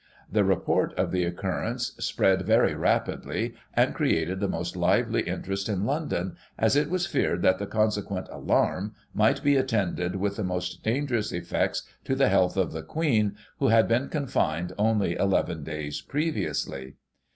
The report of the occurrence spread very rapidly, and created the most lively interest in London, as it Wcis feared that the consequent alarm might be attended with Digitized by Google i84o] THE BOY JONES. 149 the most dangerous effects to the health of the Queen, who had been confined only eleven days previously.